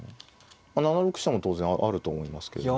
７六飛車も当然あると思いますけど。